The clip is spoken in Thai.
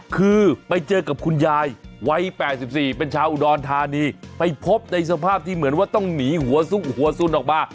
คือไปเจอกับคุณยายวัย๘๔เป็นชาวอุดรธานีไปพบในสภาพที่เหมือนว่าต้องหนีหัวซุกหัวสุนออกมา